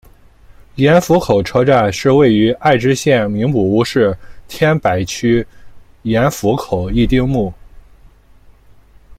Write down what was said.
盐釜口车站是位于爱知县名古屋市天白区盐釜口一丁目。